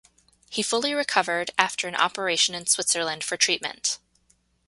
He fully recovered after an operation in Switzerland for treatment.